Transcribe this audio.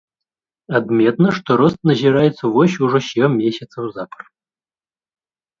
Адметна, што рост назіраецца вось ужо сем месяцаў запар.